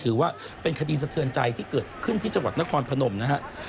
ถือว่าเป็นคดีสะเทือนใจที่เกิดขึ้นที่จังหวัดนครพนมนะฮะ